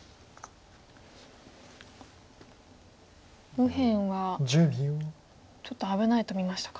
右辺はちょっと危ないと見ましたか。